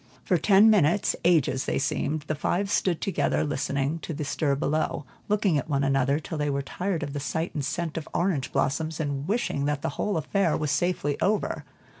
For ten minutes, ages they seemed, the five stood together listening to the stir below, looking at one another, till they were tired of the sight and scent of orange blossoms, and wishing that the whole affair was safely over.